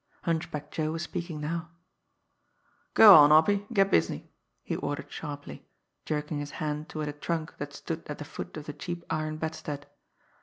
Hunchback Joe was speaking now. "Go on, Hoppy; get busy!" he ordered sharply, jerking his hand toward a trunk that stood at the foot of the cheap iron bedstead.